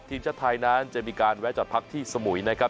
ทีมชาติไทยนั้นจะมีการแวะจอดพักที่สมุยนะครับ